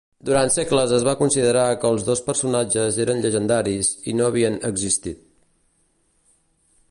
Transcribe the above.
Durant segles es va considerar que els dos personatges eren llegendaris i no havien existit.